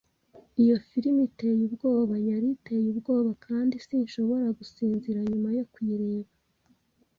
Iyo firime iteye ubwoba yari iteye ubwoba kandi sinshobora gusinzira nyuma yo kuyireba.